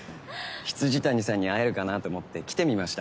未谷さんに会えるかなと思って来てみました。